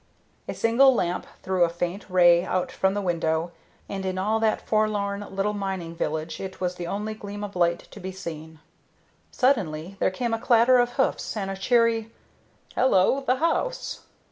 A single lamp threw a faint ray out from the window, and in all that forlorn little mining village it was the only gleam of light to be seen. Suddenly there came a clatter of hoofs and a cheery "Hello, the house!"